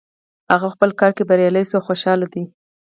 هغه په خپل کار کې بریالی شو او خوشحاله ده